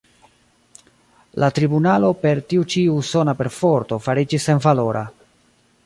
La tribunalo per tiu ĉi usona perforto fariĝis senvalora.